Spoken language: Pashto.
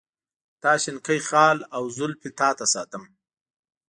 دا شینکی خال او زلفې تا ته ساتم.